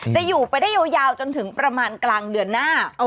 จะอยู่ไปได้ยาวจนถึงประมาณกลางเดือนหน้า